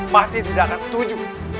masih tidak akan setuju